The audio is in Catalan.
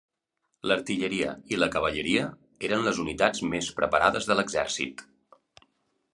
L'artilleria i la cavalleria eren les unitats més preparades de l'exèrcit.